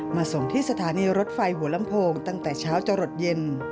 ส่งที่สถานีรถไฟหัวลำโพงตั้งแต่เช้าจะหลดเย็น